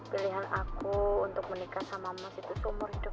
pilihan aku untuk menikah sama mas itu seumur hidup